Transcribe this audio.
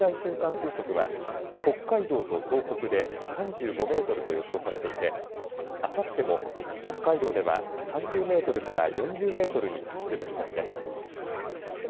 風速は北海道と東北で３５メートルと予想されていてあさっても北海道では３０メートルから４０メートルに達する見込みです。